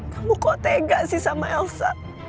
kamu kok tega sih sama elsa